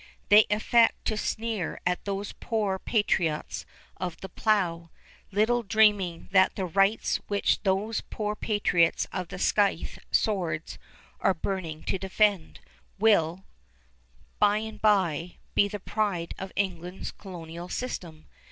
They affect to sneer at these poor patriots of the plow, little dreaming that the rights which these poor patriots of the scythe swords are burning to defend, will, by and by, be the pride of England's colonial system.